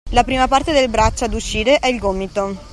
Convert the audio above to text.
La prima parte del braccio ad uscire è il gomito